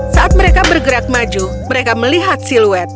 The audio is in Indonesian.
saat mereka bergerak maju mereka melihat siluet